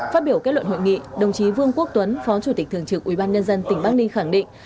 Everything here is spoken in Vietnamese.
phát biểu kết luận hội nghị đồng chí vương quốc tuấn phó chủ tịch thường trực ubnd tỉnh bắc ninh khẳng định